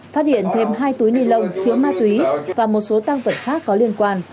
phát hiện thêm hai túi ni lông chứa ma túy và một số tăng vật khác có liên quan